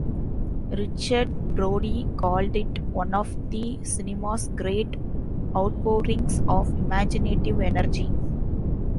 Richard Brody called it one of the cinema's great outpourings of imaginative energy.